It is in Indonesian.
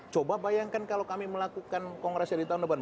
coba bayangkan kalau kami melakukan kongresnya di tahun depan